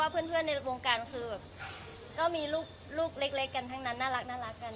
เพื่อนในวงการคือแบบก็มีลูกเล็กกันทั้งนั้นน่ารักกัน